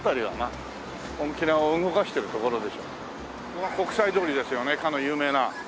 ここが国際通りですよねかの有名な。